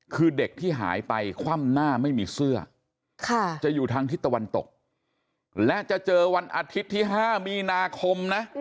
คือเด็กที่หายไปคว่ำหน้าไม่มีเสื้อจะอยู่ทางทิศตะวันตกและจะเจอวันอาทิตย์ที่๕มีนาคมนะ